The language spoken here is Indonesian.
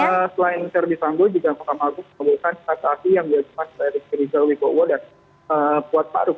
ya memang selain ferdi sambo juga pak mahkum mengumumkan kasasi yang dihasilkan riki rizal dan kuatmaruf